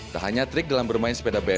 tak hanya trik dalam bermain sepeda bmk